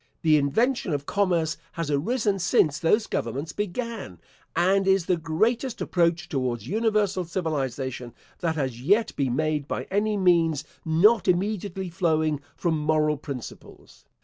The invention of commerce has arisen since those governments began, and is the greatest approach towards universal civilisation that has yet been made by any means not immediately flowing from moral principles.